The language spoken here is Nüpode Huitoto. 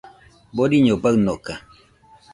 Boriño baɨnoka